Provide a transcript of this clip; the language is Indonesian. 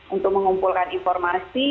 untuk mengumpulkan informasi